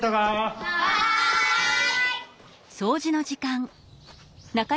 はい！